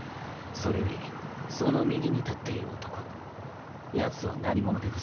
それよりその右に立っている男やつは何者でござるか？